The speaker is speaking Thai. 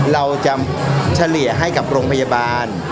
เราจะเฉลี่ยให้กับโรงพยาบาล